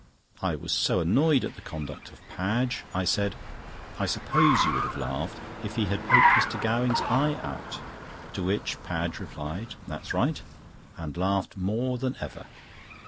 I was so annoyed at the conduct of Padge, I said: "I suppose you would have laughed if he had poked Mr. Gowing's eye out?" to which Padge replied: "That's right," and laughed more than ever.